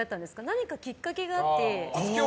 何かきっかけがあって。